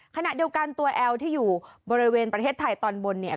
ขณะเดียวกันตัวแอลที่อยู่บริเวณประเทศไทยตอนบนเนี่ย